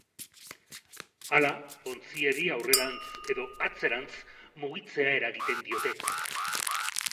Hala, ontziari aurrerantz edo atzerantz mugitzea eragiten diote.